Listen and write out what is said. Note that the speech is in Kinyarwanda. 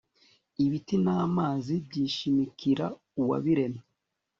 ibiti n'amazi byishimkira uwabiremye